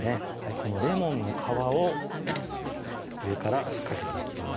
このレモンの皮を上からかけていきます